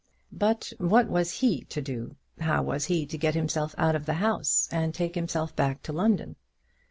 But what was he to do? How was he to get himself out of the house, and take himself back to London?